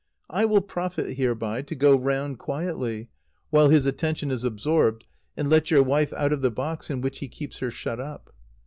I will profit hereby to go round quietly, while his attention is absorbed, and let your wife out of the box in which he keeps her shut up."